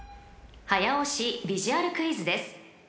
［早押しビジュアルクイズです］